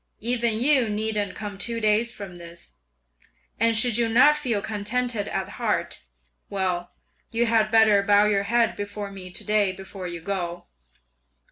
Even you needn't come two days from this; and should you not feel contented at heart, well, you had better bow your head before me to day before you go.